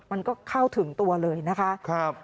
มันก็เข้าถึงตัวเลยนะคะ